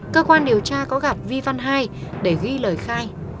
cơ quan điều tra có gặp vi văn hai để ghi lời khai